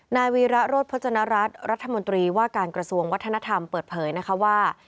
นายวีระโรธพจนรัฐรัฐรัฐมนตรีว่าการกระทรวงวัฒนธรรมเปิดเผยนะคะว่า